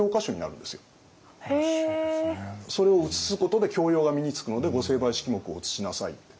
それを写すことで教養が身につくので御成敗式目を写しなさいって。